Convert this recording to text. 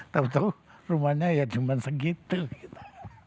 tau tau rumahnya ya cuman segitu gitu